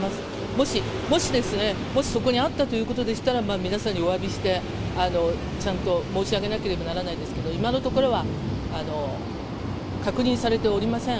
もし、もしですね、もしそこにあったということでしたら、皆さんにおわびして、ちゃんと申し上げなければならないですけど、今のところは確認されておりません。